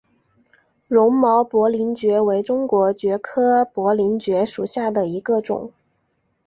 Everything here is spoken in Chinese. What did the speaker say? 绒毛薄鳞蕨为中国蕨科薄鳞蕨属下的一个种。